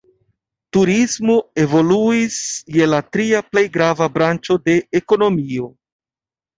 Turismo evoluis je la tria plej grava branĉo de ekonomio.